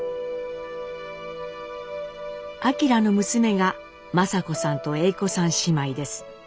晃の娘が雅子さんと英子さん姉妹です。